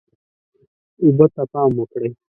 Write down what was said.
اوبه ته پام وکړئ.